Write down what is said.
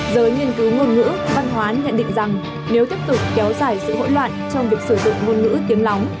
giới nghiên cứu ngôn ngữ văn hóa nhận định rằng nếu tiếp tục kéo dài sự hỗn loạn trong việc sử dụng ngôn ngữ tiếng lóng